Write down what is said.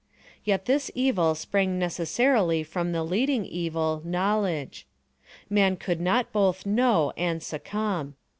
Yet this evil sprang necessarily from the leading evil—Knowledge. Man could not both know and succumb.